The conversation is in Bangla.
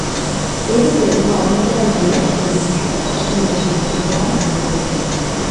এইরূপে উহা অনন্তকাল ধরিয়া কখনও বিকশিত, কখনও বা সঙ্কুচিত ভাব ধারণ করিতেছে।